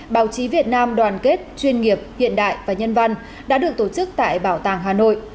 báo chí việt nam đoàn kết chuyên nghiệp hiện đại và nhân văn đã được tổ chức tại bảo tàng hà nội